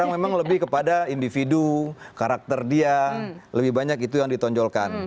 memang lebih kepada individu karakter dia lebih banyak itu yang ditonjolkan